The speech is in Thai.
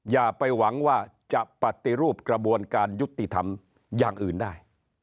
อย่าไปหวังว่าจะปฏิรูปกระบวนการยุติธรรมอย่างอื่นได้